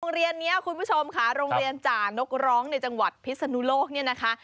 โรงเรียนนี้คุณผู้ชมค่ะโรงเรียนจ่านกร้องในจังหวัดพิศนุโลกเนี่ยนะคะ